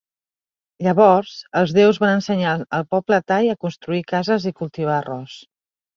Llavors, els déus van ensenyar el poble tai a construir cases i cultivar arròs.